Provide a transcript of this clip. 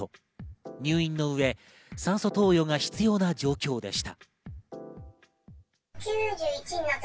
入院の上、酸素投与が必要な状況でした。